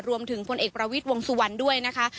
รวมถึงผลเอกประวิทวงสุวรรณด้วยนะคะ